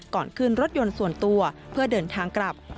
ก่อนขึ้นรถยนต์ส่วนตัวเพื่อเดินทางกลับ